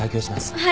はい。